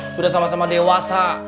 sudah sama sama dewasa